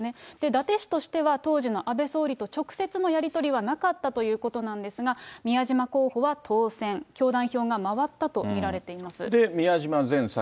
伊達氏としては、当時の安倍総理と直接のやり取りはなかったということなんですが、宮島候補は当選、教団票が回ったと見られています。